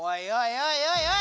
おいおいおい！